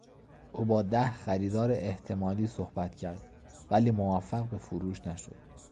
او با ده خریدار احتمالی صحبت کرد ولی موفق به فروش نشد.